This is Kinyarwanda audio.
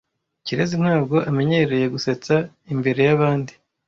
Kirezi ntabwo amenyereye gusetsa imbere yabandi.